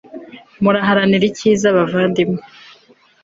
muraharanire icyiza, bavandimwe